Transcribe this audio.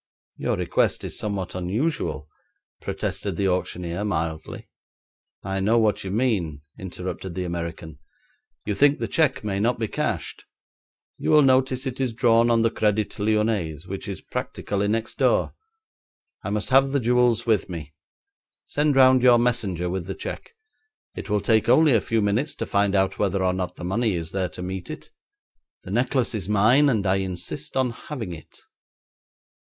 'Your request is somewhat unusual,' protested the auctioneer mildly. 'I know what you mean,' interrupted the American; 'you think the cheque may not be cashed. You will notice it is drawn on the Crédit Lyonnais, which is practically next door. I must have the jewels with me. Send round your messenger with the cheque; it will take only a few minutes to find out whether or not the money is there to meet it. The necklace is mine, and I insist on having it.'